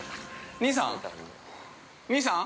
兄さん！？